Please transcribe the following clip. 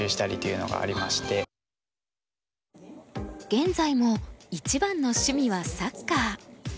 現在も一番の趣味はサッカー。